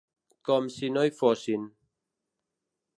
Com si no hi fossin.